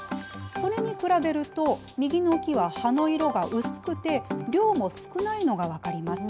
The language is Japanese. それに比べると、右の木は葉の色が薄くて、量も少ないのが分かります。